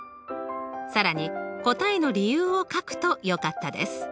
更に答えの理由を書くとよかったです。